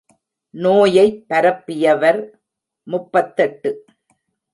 நோயைப் பரப்பியவர் முப்பத்தெட்டு.